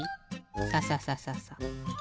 サササササ。